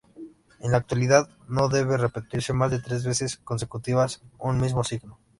En la actualidad, no debe repetirse más de tres veces consecutivas un mismo signo.